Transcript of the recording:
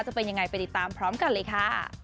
จะเป็นยังไงไปติดตามพร้อมกันเลยค่ะ